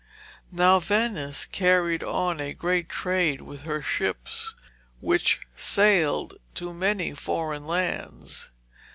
Now Venice carried on a great trade with her ships, which sailed to many foreign lands.